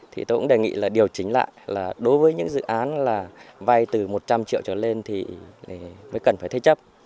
thì tôi cũng đề nghị là điều chỉnh lại là đối với những dự án là vay từ một trăm linh triệu trở lên thì mới cần phải thế chấp